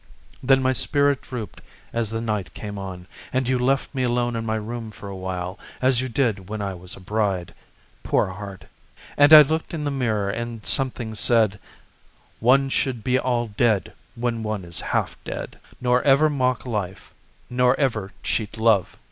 Then my spirit drooped as the night came on, And you left me alone in my room for a while, As you did when I was a bride, poor heart. And I looked in the mirror and something said: "One should be all dead when one is half dead—" Nor ever mock life, nor ever cheat love."